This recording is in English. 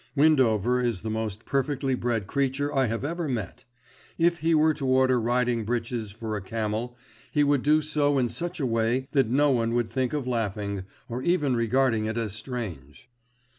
Windover is the most perfectly bred creature I have ever met. If he were to order riding breeches for a camel, he would do so in such a way that no one would think of laughing, or even regarding it as strange.